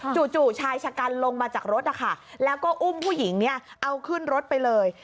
ชายชะกันลงมาจากรถนะคะแล้วก็อุ้มผู้หญิงเนี่ยเอาขึ้นรถไปเลย